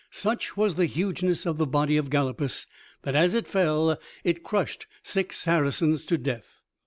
Such was the hugeness of the body of Galapus, that, as it fell, it crushed six Saracens to death.